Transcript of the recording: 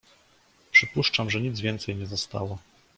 "Przypuszczam, że nic więcej nie zostało."